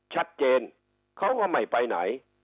ชัดเจนเขาก็ไม่ไปไหน